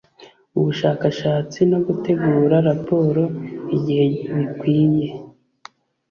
ubushakashatsi no gutegura raporo igihe bikwiye